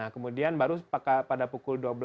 kemudian baru pada pukul dua belas